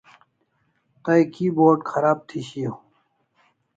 Tay keyboard kharab thi shiaw